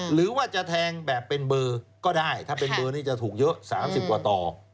หรือว่าจะแทงแบบเป็นเบอร์ก็ได้ถ้าเป็นเบอร์นี้จะถูกเยอะ๓๐กว่าต่อ